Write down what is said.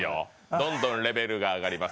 どんどんレベルが上がります。